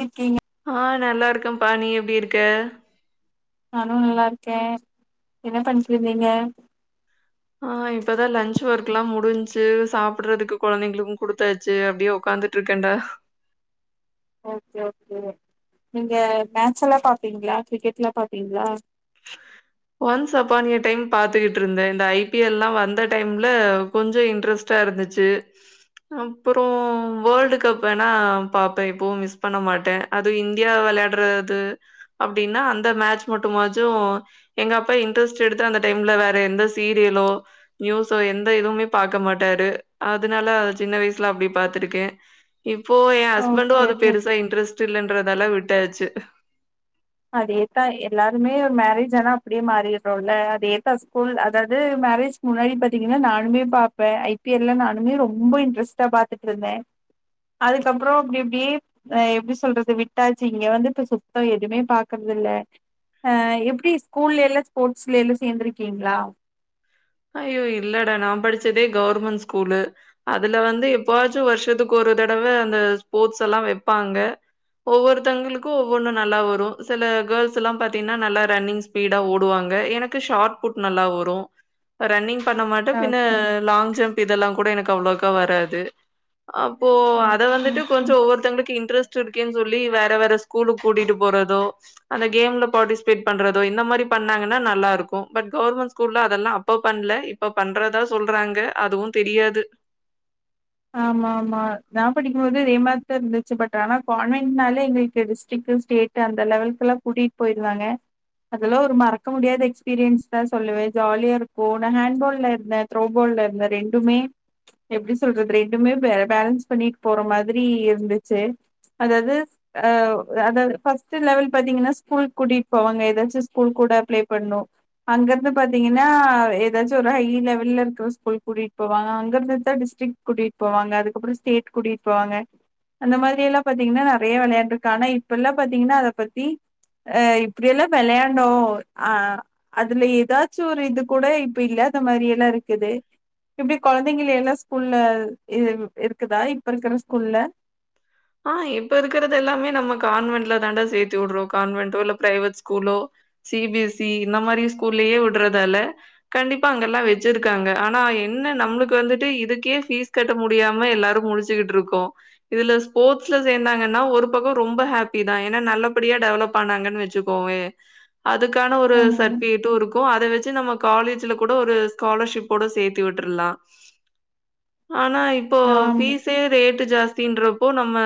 இர்க்கீங்க ஆ நல்லார்க்க பா நி எப்டி இருக்க நானு நல்லார்க்கே என்ன பண்ட்டுருந்தீங்க ஆ இப்பதா லன்ச் வர்க்லா முடிஞ்ச்சு சாப்புறதுக்கு குழந்தைங்களுக்கு குடுத்தாச்சு அப்டியே உக்காந்து ட்ருக்கண்டா ஓகே ஓகே நீங்க மேச்சல்லா பாப்பீங்ளா க்ரிக்கெட்லா பாப்பீங்ளா ஒன்ஸ் அப்பான்யே டைம் பாத்துகிட்ருந்தே இந்த ஐ பி எல்லா வந்த டைம்ல கொஞ்சு இன்ட்ரஸ் டா இருந்துச்சு அப்புறோ வல்டு கப் வேணா பாப்பே இப்பவு மிஸ் பண்ண மாட்டே அது இந்தியா விளையாட்றது அப்டின்னா அந்த மேச் மட்டும்மாஜு எங் அப்பா இன்ட்ரெஸ்ட் எடுத்து அந்த டைம்ல வேற எந்த சீரியலோ ந்யூஸோ எந்த எதுவுமே பாக்க மாட்டாரு அதனால சின்ன வய்சுல அப்டி பாத்துருக்கே இப்போ எ ஹஸ்பண்டு ஓகே ஒரு ஓகே பெருசா இன்ட்ரெஸ்ட் இல்லேன்றதாலா விட்டாச்சு அதேத்தா எல்லாருமே ஒர் மேரேஜ் ஆனா அப்டே மாறிறோல்ல அதேத்தா ஸ்கூல் அதாவ்து மேரேஜ் முன்னாயி பத்தீங்கின்னா நானுமே பாப்பே ஐ பி எல்ல நானுமே ரொம்ப இன்ரஸ்ட்டா பாத்துக்ருந்தே அதுக்கப்ற இப்டி இப்டி ஆ எப்டி சொல்றது விட்டாச்சு இங்க வந்து இப்ப சுத்தோ எதுமே பாக்கற்துல்ல அ எப்டி ஸ்கூலேலே ஸ்போட்ஸ்லேலு சேந்துருக்கீங்லா அய்யோ இல்லடா நா படிச்சதே கவ்ர்மண் ஸ்கூலு அதுல வந்து எப்புவாச்சு வர்ஷத்துக் ஒரு தடவ அந்த ஸ்போட்ஸ் எல்லா வெப்பாங்க ஒவ்வொருத்தங்களுக்கு ஒவ்வொன்னு நல்லா வரு சில கேள்ஸ் எல்லா பாத்தீன்னா நல்லா ரன்னிங்ஸ் பீடா ஓடுவாங்க எனக்கு ஷாட் புட் நல்லா வரு ரன்னிங் பண்ண மாட்ட பின்ன ஓகே லாங் ஜம்ப் இதெல்லா கூட எனக் அவ்ளக்கா வராது அப்போ அத ஓகே வந்துட்டு ஓகே. கொஞ்ச் ஒவ்வொருத்தவ்ங்களுக்கு இன்ட்ரஸ் ட்ருக்கேன் சொல்லி வேற வேற ஸ்கூலுக் கூட்டிட்டு போறதோ அந்த கேம்ல பாட்டிஸ்பேட் பண்றதோ இந்ந மாரி பண்ணாங்கன்னா நல்லாருக்கு பட் கௌர்மண் ஸ்கூல்ல அதெல்லா அப் போ பண்ல இப்ப பண்றதா சொல்றாங்க அதுவு தெரியாது ஆமா ஆமா நா படிக்கும் போது ரேமாத்து இருந்துச்சு பட் ஆனா கான்வென்னாலே எங்கள்க்கு டிஸ்டிக்கு ஸ்டேட் அந்த லெவல்குல்லா கூட்டிட் போய்ர்ன்தாங்க அதெல்லோ ஒர் மறக்க முடியாத எக்ஸ்பீரியன்ஸ் தா சொல்லுவே ஜாலியா இருக்கு நா ஹேண்ட்பால்ல இருந்தே த்ரோபோல்ல இருந்தே ரெண்டுமே எப்டிஸ் தொல்று ரெண்டுமே பே பேலன்ஸ் பண்ணிட் போற மாதிரி இருந்துச்சே அதாவ்து அவ் அதவ் ஃபஸ்ட்டு லெவல் பாத்தீங்கன்னா ஸ்கூல் கூட்டிட் போவாங்க ஏதாச்சு ஸ்கூல் கூட ப்ளே பண்ணு அங்கர்ந்து பாத்தீங்கின்னா ஏதாச்சு ஒரு ஹை லெவல்ல இருக்ற ஸ்கூல் கூட்டீட் போவாங்க அங்கர்ந்துதா டிஸ்ட்ரிக் கூட்டிட் போவங்க அதுக்கப்று ஸ்டேட் கூட்டிட் போவாங்க அந்த மாரி எல்லா பாத்தீங்கன்னா நறேய விளையாட்டுக்கான இப்பல்லா பாத்தீங்கின்னா அத பத்தி அ இப்டியெல்லா விளையாண்ணோ அ அதுல ஏதாச்சு ஒரு இது கூட இப் இல்லாத மாரி எல்லா இருக்குது இப்டி கொழந்தைங்கள் எல்லா ஸ்கூல்லவ் இவ் இருக்குதா இப் இருக்குற ஸ்கூல்ல ஆ இப்ப இருக்குறது எல்லாமே நம்ம கான்வென்ல தாண்டா சேத்தி விட்றோ கான்வென்ட்டோ இல்ல ப்ரைவேட் ஸ்கூலோ சி பி எஸ் இ இந்த மாரி ஸ்கூல்லயே விட்றதால்ல கண்டிப்பா அங்கல்லா வெச்சிருக்காங்க ஆனா என்ன நம்ளுக் வந்துட்டு இதுக்கே ஃபீஸ் கெட்ட முடியாம எல்லாரு முழிச்சிக்கிட்ருக்கோ இதுலஸ் போட்ஸ்ல சேந்தாங்கன்னா ஒர் பக்கோ ரொம்ப ஹாப்பி தா ஏன்னா நல்லப்படியா டெவலப் ஆனாங்கன் வெச்சுக்கோவே அதுக்கான ஒரு ஆமாங்க சர்டீபிகேட்டும் இருக்கும் இப்போ அதை வச்சு நம்ம காலேஜ்ல கூட ஒரு ஸ்காலர்ஷிப்போட சேர்த்து விட்டுருலாம் ஆனா இப்போ ஆம் பீஸே ரேட்டு ஜாஸ்தின்றப்போ நம்ம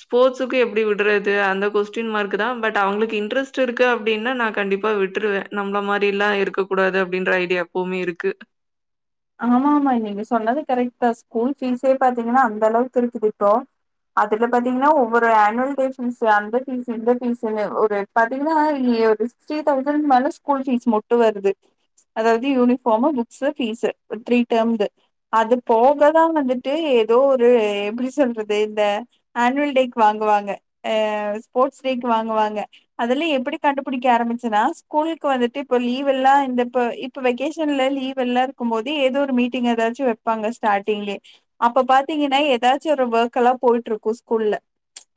ஸ்போர்ட்ஸுக்கு எப்டி விடுறது அந்த கொஸ்டின் மார்க்குதா பட் அவங்களுக்கு இன்டரஸ்ட்ருக்கு அப்படின்னா நா கண்டிப் இப்ப விட்டுருவ நம்மள மாரில்லா இருக்க கூடாது அப்டின்ற ஐடியா எப்போவுமே இருக்கு ஆமாமா நீங்க சொன்னது கரெக்ட் தா ஸ்கூல் ஃபீசே பாத்தீங்னா அந்த அளவுக்கு இருக்குது இப்போ அதுல பாத்தீங்கன்னா ஒவ்வொரு அனு டேஷன் அந்த பீஸ் இந்த பீஸ்னு ஒரு பாத்தீங்கன்னா இங்க ஒரு சிக்ஸ்டி தௌசண்ட் மேல ஸ்கூல் ஃபீஸ் மட்டும் வருது அதாவது யூனிஃபார்மு புக்ஸ்சு பீஸ்சு த்ரீ டேர்ம்து அது போகதான் வந்துட்டு ஏதோ ஒரு எப்டி சொல்றது இந்த ஆன்வல் டேக்கு வாங்குவாங்க அ ஸ்போர்ட்ஸ் டேக்கு வாங்குவாங்க அதுலய எப்டி கண்டுபிடிக்க ஆரம்பிச்சுன்னா ஸ்கூலுக்கு வந்துட்டு இப்ப லீவ் எல்லாம் இந்த ப இ இப்ப வெகேஷன்ல லீவ் எல்லாம் இருக்கும் போது ஏதோ ஒரு மீட்டிங் ஏதாச்சும் வப்பாங்க ஸ்டார்டிங்லே அப்ப பாத்தீங்கன்னா ஏதாச்சி ஒரு வெர்கெல்லா போயிட்டுருக்கோ ஸ்கூல்ல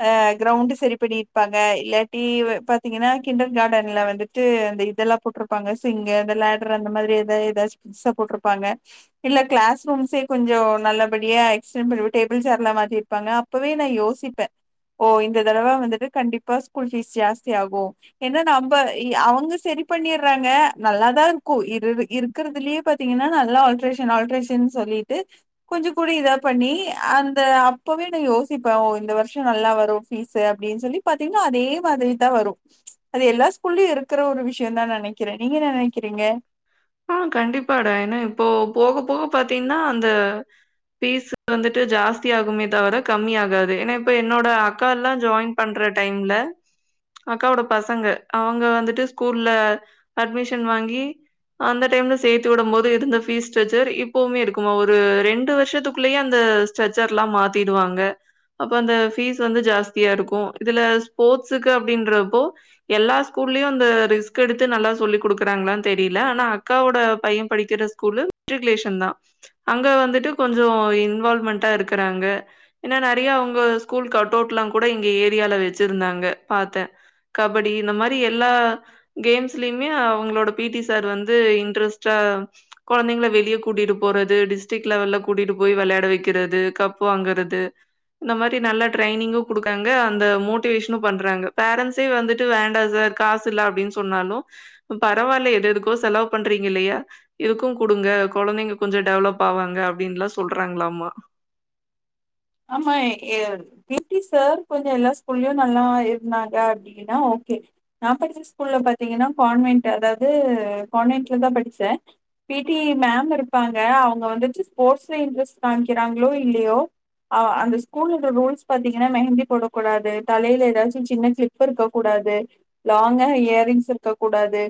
அ க்ரௌவுண்டு சரி பண்ணிருப்பாங்க இல்லாட்டி பாத்தீங்கன்னா கிண்டர் கார்டன்ல வந்துட்டு அந்த இதெல்லா போட்டிருப்பாங்க சிங்கு அந்த லேடர் அந்த மாதிரி ஏதா ஏதாச்சி புதுசா போட்ருப்பாங்க இல்ல கிளாஸ் ரூம்ஸே கொஞ்சோ நல்லபடியா எக்ஸ்டென் பண்ணி டேபிள் சேர்ல்லா மாத்திருப்பாங்க இப்பவே நா யோசிப்ப ஓ இந்த தடவ வந்துட்டு கண்டிப்பா ஸ்கூல் பீஸ் ஜாஸ்தி ஆகோ ஏனா நம்ப அவ்ங்க சரி பண்ணிட்றாங்க நல்லாதாருக்கு இரு இருக்றதுலயே பத் பாத்திங்கன்னா நல்லா ஆல்ட்ரேஷன் ஆல்ட்ரேஷன் சொல்லிட்டு கொஞ்சம் கூட இதா பண்ணி அந்த அப்பவே நான் யோசிப்பேன் இந்த வருஷம் நல்லா வரும் பீஸ் அப்டின்னு சொல்லி பாத்தீங்கன்னா அதே மாதிரி தான் வரும் அது எல்லா ஸ்கூல்லயும் இருக்கிற ஒரு விஷயம் தான் நினைக்கிறேன் நீங்க என்ன நினைக்கிறீங்க ஆ கண்டிப்பாடா ஏன்னா இப்போ போக போக பாத்தீங்கன்னா அந்த பீஸ் வந்துட்டு ஜாஸ்தி ஆகுமே தவிரா கம்மியாகாது ஏன்னா இப்ப என்னோட அக்கால்லாம் ஜாயின் பண்ற டைம்ல அக்காவோட பசங்க அவங்க வந்துட்டு ஸ்கூல்ல அட்மிஷன் வாங்கி அந்த டைம்ல சேர்த்து விடும் போது இருந்த பீஸ் ஸ்ட்ரக்சர் இப்பவுமே இருக்குமா ஒரு ரெண்டு வருஷத்துக்குள்ளேயே அந்த சச்சர்ல்லாம் மாத்திடுவாங்க அப்ப அந்த ஃபீஸ் வந்து ஜாஸ்தியா இருக்கும் இதுல ஸ்போர்ட்ஸுக்கு அப்டின்றப்போ எல்லா ஸ்கூல்லயும் அந்த ரிஸ்க் எடுத்து நல்லா சொல்லி் கொடுக்குறாங்களானு தெரில இல்ல ஆனா அக்காவோட பையன் படிக்கிற ஸ்கூல் மெட்ரிக்குலேஷன் தான் அங்க வந்துட்டு கொஞ்சம் இன்வால் மென்டா இருக்கறாங்க ஏன்னா நிறைய அவங்க ஸ்கூல் கட் அவுட்லாம் கூட இங்க ஏரியால வச்சிருந்தாங்க பாத்தேன் கபடி இந்த மாரி எல்லா கேம்ஸ்லயுமே அவங்களோட பீட்டி சார் வந்து இன்ட்ரெஸ்டா குழந்தைங்களை வெளியே கூட்டிட்டு போறது டிஸ்ட்ரிக்ட் லெவல்ல கூட்டிட்டு போய் விளையாட வைக்கிறது கப்பு வாங்கறது இந்த மாரி நல்லா டிரைனிங்கும் குடுக்குறாங்க அந்த மோட்டிவேஷனும் பண்றாங்க பேரண்ட்ஸே வந்துட்டு வேண்டா சார் காசு இல்ல அப்டின்னு சொன்னாலும் பரவாயில்ல எத எதுக்கோ செலவு பண்றீங்க இல்லையா இரதுக்கும் குடுங்க குழந்தைங்க கொஞ்சம் டெவலப் ஆவாங்க அப்டின்னுலாம் சொல்றாங்களமா ஆமா ஏ பீட்டி சார் கொஞ்சம் எல்லா ஸ்கூல்லயும் நல்லா இருந்தாங்க அப்டின்னா ஓகே நான் படிச்ச ஸ்கூல்ல பாத்தீங்கன்னா கான்வென்ட் அதாவது கான்வென்ட்ல தான் படிச்சேன் பீட்டி மேம் இருப்பாங்க அவங்க வந்துட்டு ஸ்போர்ட்ஸ்ல இன்ட்ரெஸ்ட் காமிக்கிறாங்களோ இல்லையோ ஆ அந்த ஸ்கூல் ரூல்ஸ் பாத்தீங்கன்னா மெஹந்தி போடக்கூடாது தலையில ஏதாச்சும் சின்ன கிளிப் இருக்க கூடாது லாங்காக இயரிங்ஸ் இருக்க கூடாது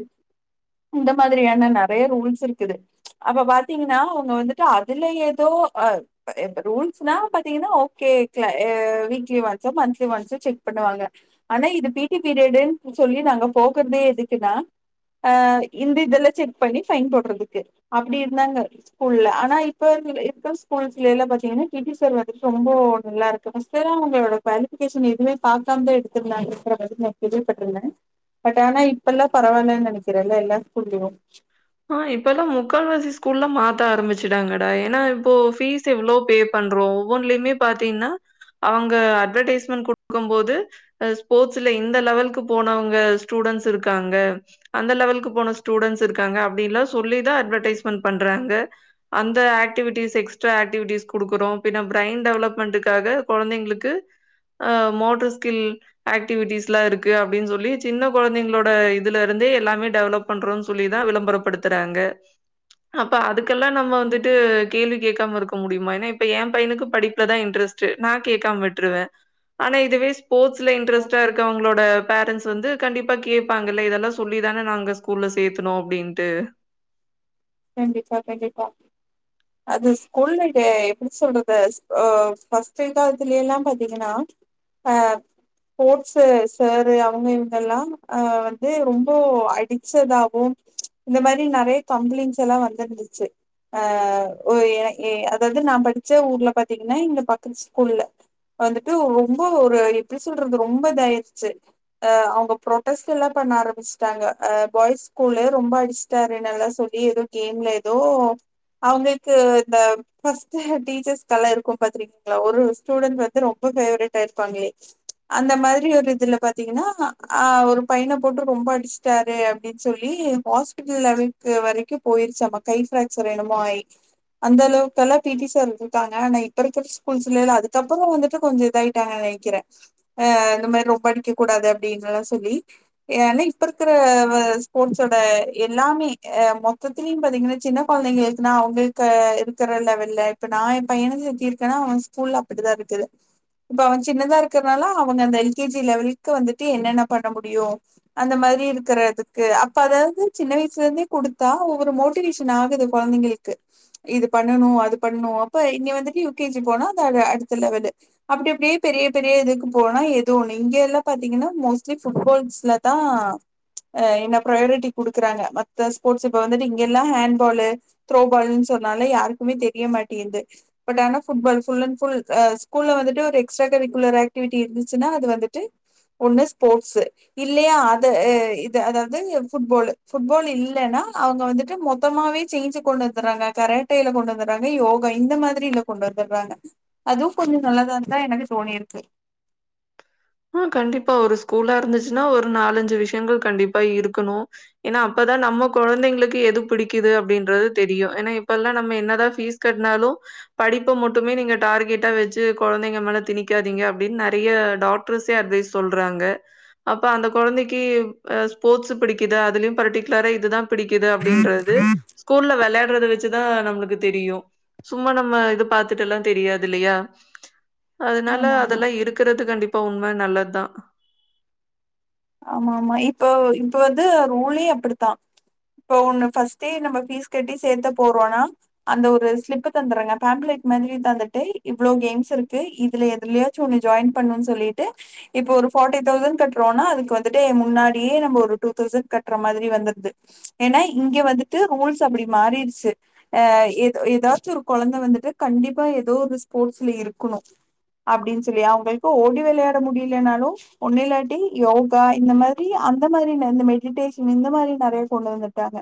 இந்த மாதிரியான நறைய ரூல்ஸ் இருக்குது அப்ப பாத்தீங்கன்னா அவங்க வந்துட்டு அதுல ஏதோ அ ரூல்ஸ் ந பாத்தீங்கன்னா ஓகே க வீக்லி ஒன்சோ மந்த்லி ஒன்சோ செக் பண்ணுவாங்க ஆனா இது பீட்டி பீரியடுன்னு சொல்லி நாங்க போக்குறதே எதுக்குன்னா ஆ இந்த இதெல்லாம் செக் பண்ணி ஃபைன் போடுறதுக்கு அப்டி இருந்தாங்க ஸ்கூல்ல ஆனா இப்ப இருக்கிற இப்ப ஸ்கூல்ஸ்ல பாத்தீங்கன்னா பீட்டி சார் வந்துட்டு ரொம்ப நல்லா இருக்கு ஃபஸ்டுல்லா அவங்களோட க குவாலிபிகேஷன் எதுவுமே ப பாக்காம தான் எடுத்துருந்தாங்க இருக்கிற இதுல கேள்விப்பட்டிருந்தேன் பட் ஆனா இப்ப எல்லாம் பரவாயில்லன்னு நினைக்கிறேன்ல்ல எல்லா ஸ்கூல்லயும் ஆ இப்பெல்லாம் முக்காவாசி ஸ்கூல்ல மாத்த ஆரம்பிச்சுட்டாங்கடா ஏன்னா இப்போ ஃபீஸ் எவ்வளோ பே பண்றோ ஒவ்வொன்லுயுமே பாத்தீங்கன்னா அவுங்க அட்வர்டைஸ்மென்ட் குடுக்கும் போது அ ஸ்போர்ட்ஸ்ல இந்த லெவல்க்கு போனவங்க ஸ்டூடென்ட்ஸ் இருக்காங்க அந்த லெவல்க்கு போன ஸ்டூடெண்ட்ஸ் இருக்காங்க அப்டீன்லா சொல்லிதா அட்வர்டைஸ்மெண்ட் பண்றாங்க அந்த ஆக்டிவிட்டிஸ் எக்ஸ்ட்ரா ஆக்டிவிட்டிஸ் குடுக்குறோ பின்ன பிரெயன் டெவலப்மெண்ட்டுக்காக கொழந்தைங்களுக்கு அ மோட்டர் ஸ்கில் ஆக்டிவிட்டிஸ்லா இருக்கு அப்டீன்னு சொல்லி சின்ன கொழந்தைங்களோட இதுல இருந்து எல்லாமே டெவலப் பண்றோம்னு சொல்லி தா விளம்பரப்படுத்துறாங்க அப்ப அதுக்கெல்லா நம்ம வந்துட்டு கேள்வி கேக்காம இருக்க முடியுமா ஏன்னா இப்ப ஏ பையனுக்கு படிப்புல தா இன்ட்ரெஸ்ட் நா கேக்காம விட்றுவ ஆனா இதுவே ஸ்போர்ட்ஸ்ல இன்ட்ரெஸ்டா இரு க்கவுங்களோட பேரண்டஸ் வந்து கண்டிப்பா கேப்பாங்க இதெல்லா சொல்லி தான நாங்க ஸ்கூல்ல சேத்துக் னோ அப்டீன்ட்டு கண்டிப்பா கண்டிப்பா அது ஸ்கூல்லு டே இப்ப எப்டி சொல்றது அ பஸ்ட்டு வீ காலத்துலயெல்லா பாத்தீங்கன்னா ஆ போர்ட்ஸ்சு சேரு அவுங்க இவுங்கல்லா அ வந்து ரொம்போ அடிச்சதாகும் இந்த மாரி நறிய கம்ளிண்ட்ஸெல்லா வந்திருந்துச்சு அ ஒ இ எ அதாவது நா படிச்ச ஊர்ல பாத்தீங்கன்னா இங்க பக்கத்து ஸ்கூல்ல வந்துட்டு ரொம்போ ஒரு எப்டி சொல்றது ரொம்போ இதாயிடுச்சு அ அவுங்க ப்ரோட்டஸ் எல்லா பண்ண ஆரம்பிச்டாங்க பாயிஸ் ஸ்கூல்லு ரொம்போ அடி ச்சாரு நல்லா சொல்லி ஏதோ கேம்லே ஏதோ அவுங்கள்க்கு இந்த ஃப்பஸ்டே டீச்சர்ஸ்கலா இருக்கும் பாத்திரிக்ங்ளா ஒரு ஸ்டூடெண் வந்து ரொம்போ ஃபேவெரெட்டா இருப்பாங்ளே அந்த மாதிரி ஒரு இதுல பாத்தீங்னா அ ஒரு பையனப் போட்டு ரொம்போ அடிச் சுட்டாரு அப்டீன் சொல்லி ஹாஸ்பிட்டல் லெவல்க்கு வெரிக்கோ போயிரிச்சாமா கை ஃப்ராக்சர் எண்ணுமோ ஆயி அந்த அளவுக்கெல்லா பி டி சாரு இருக்காங்க ஆனா இப்ப இருக்கிற ஸ்கூல்ஸ்லேலா அதுக்கப்புறோ வந்துட்டு கொஞ்சோ இதா ட்டாக நெனைக்கிறே அ இந்த மேரி ரொம்போ அடிக்க கூடாது அப்டின்லா சொல்லி ஏன்னா இப்ப இருக்கிற வ ஸ்போர்ட்ஸோட எல்லாமே மொ த்தத்லியோ பாத்தீங்கனா சின்ன கொழந்தைங்க எழுதுனா அவுங்குள்க்கு இருக்குற லெவல்ல இப்ப நா எ பையனுக்கு இப்டி இருக்கனா ஃபுல்லா அப்டிதா இருக்குது இப்ப அவ சின்னதா இருக்கறனாலா அவங்க அந்த எல் கே ஜி லெவல்க்கு வந்துட்டு என்னென்ன பண்ண முடியு அந்த மாரி இருக்கறதுக்கு அப்ப அதாவது சின்ன வயசுல இர்ந்தே குடுத் தா ஒவ்வோரு மோட்டிவேஷன் ஆகுது கொழந்தைங்ளுக்கு இது பண்ணணோ அது பண்ணணோ அப்ப இங்கே வந்துட்டு யு கே ஜி போனா அந்த அழ அடுத்த லெவலு அப்டி அப்டியே பெரிய பெரிய இதுக்கு போனா ஏதோ ஒண்ணு இங்கெல்லா பாத்தீங்கனா மோஸ்லி ஃபுட்பால்ஸ்ல தா ஆ என்ன ப்ரோயரெட்டி குடுக்குறாங்க மத்த ஸ்போர்ட்ஸ் இப்ப வந்துட்டு இங்கெல்லா ஹேண் பாலு த்ரோ பாலுன்னு சொன்னாலே யாருக்குமே தெரிய மாட்டீங்குது பட் ஆனா ஃபுட்பால் ஃபுல் அண்ட் ஃபுல் ஆ ஸ்கூல்ல வந்துட்டு ஒரு எக்ஸ்ட்ரா கரிக்குலர் ஆக்டிவிட்டி இருந்துச்சினா அது வந்துட்டு ஒண்ணு ஸ்போட்ஸ்சு இல்லியா அத இத அதாவது ஃபுட்பாலு ஃபுட்பால் இல் லனா அவுங்க வந்துட்டு மொத்தமாவே சேஞ்ஜு கொண்டு வந்துர்றாங்க கரேட்டேல கொண்டு வந்துர்றாங்க யோகா இந்த மாதிரில கொண்டு வந்துர்றாங்க அதுவு கொஞ்சோ நல்லாதாயிருக்கு அதா எனக்கு தோணியிருக்கு ஆ கண்டிப்பா ஒரு ஸ்கூலா இருந்துச்சினா ஒரு நாலஞ்சு விஷயங்க கண்டிப்பா இருக்கணோ ஏனா அப்பதா நம்மோ கொழந்தைங்ளுக்கு எது பிடிக்கிது அப்டீன்றது தெரியு ஏனா இப்பெல்லா நம்ம என்னதா ஃபீஸ் கட்னாலோ படிப்ப மட்டுமே நீங்க டார்கெட்டா வெச்சு கொழந்தைங்க மேல திணிக்காதீங்க அப்டின் நறீய டாக் டர்ஸே அட்வயிஸ் சொல்றாங்க அப்ப அந்த கொழந்தைக்கி அ ஸ்போர்ட்ஸு பிடிக்குதா அதுல்யு பருட்டிக்ல்ரா இதுதா பிடிக்குது அப்டின்றது ஸ்கூல்ல வெள்யாட்றத வெச்சுதா நம்ளுக்கு தெரியு சும்மா நம்ம இது பாத்துட் எல்லா தெரியாது இல்லயா அதுனால ஆமா ஆமா அதல்லா இருக்குறது கண்டிப்பா உண்ம நல்லத்தா ஆமா ஆமா இப்போ இப்ப வந்து ரூலே அப்புடுத்தா போ ஒன்னு ஃபர்ஸ்ட்டே நம்ம ஃபீஸ் கட்டி சேத்த போறோனா அந்த ஒரு ஸ்லிப் தந்துறாங்க பேம்ப்புளேட் மாதுரி தந்துட்டு இவ்ளோ கேம்ஸ் இருக்கு இதுல எதுல்ய சு ஒன்னு ஜாயின் பண்ணு சொல்லிட்டு இப்ப ஒரு ஃபார்டி தௌசண்ட் கட்றோனா அதுக்கு வந்துட்டே முன்னாடியே நம்ப ஒரு டூதௌசண்ட் கட்ற மாதுரி வந்துற்து ஏனா இங்க வந்துட்டு ரூல்ஸ் அப்டி மாறிர்ச்சு அ எதோ எதாச்சு ஒரு கொழந்த வந்துட்டு கண்டிப்பா எதோ ஒரு ஸ்போட்ஸ்ல இருக்குணு அப்டின் சொல்லி அவுங்கள்க்கு ஓடி விளையாட முடியிலேனாலு ஒன்னு இல்லாட்டி எவ் கதா இந்த மரி அந்த மாரின இந்த மெடிட்டேஷன் இந்த மாரி நறய கொண்டு வந்துட்டாங்க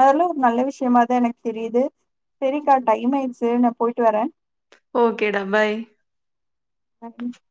அதல்லா ஒரு நல்ல விஷ்யம்மா தா எனக் தெரிய்து செரிக்கா டைம் ஆயிர்ச்சு நா பொயிட்டு வர ஓகே டா பாய் [unintelligible]